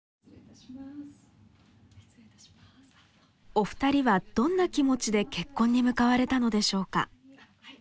お二人はどんな気持ちで結婚に向かわれたのでしょうか。